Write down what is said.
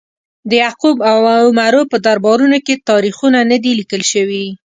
د یعقوب او عمرو په دربارونو کې تاریخونه نه دي لیکل شوي.